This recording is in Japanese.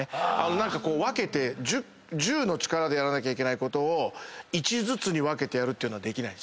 何かこう分けて１０の力でやらなきゃいけないことを１ずつに分けてやるっていうのはできないです。